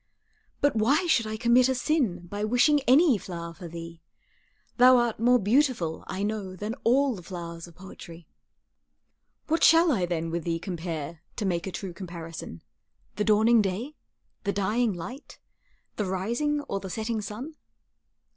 But why should I commit a sin By wishing any flower for thee; Thou art more beautiful, I know, Than all the flowers of poetry. What shall I then with thee compare, To make a true comparison The dawning day, the dying light, The rising or the setting sun?